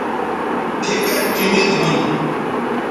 پھیکش چینی دُھن